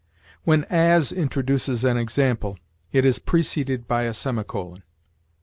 When as introduces an example, it is preceded by a semicolon.